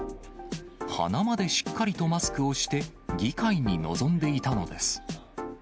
鼻までしっかりとマスクをして、議会に臨んでいたのです。